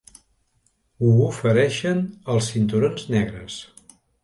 Ho ofereixen als cinturons negres.